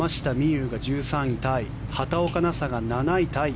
有が１３位タイ畑岡奈紗が７位タイ。